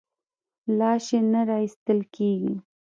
لاش یې نه راایستل کېږي.